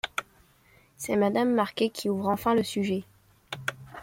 C'est Madame Marquet qui ouvre enfin le sujet.